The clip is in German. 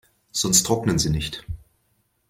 Sonst trocknen sie nicht.